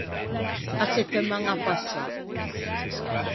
A settemaña passâ.